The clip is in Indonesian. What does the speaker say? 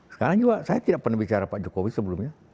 sekarang juga saya tidak pernah bicara pak jokowi sebelumnya